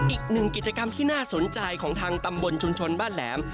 อีกหนึ่งกิจกรรมที่น่าสนใจของทางตำบลชุมชนบ้านแหลม